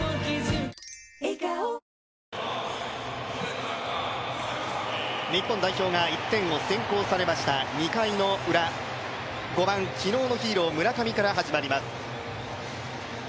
あ日本代表が１点を先行されました、２回ウラ、５番、昨日のヒーロー村上から始まります。